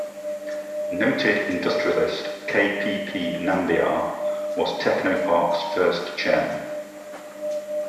Noted industrialist K. P. P. Nambiar was Technopark's first chairman.